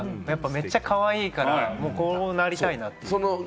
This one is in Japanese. めっちゃかわいいから、こうなりたいなって。